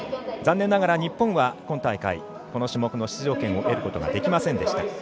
残念ながら日本は今大会、この種目の出場権を得ることができませんでした。